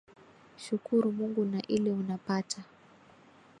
Shukuru mungu na ile una pata